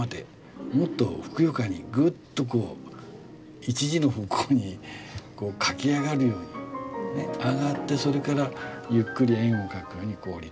もっとふくよかにグッとこう１時の方向に駆け上がるように上がってそれからゆっくり円を描くようにこう下りてくる。